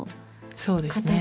そうですね。